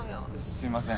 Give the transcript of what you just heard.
すみません。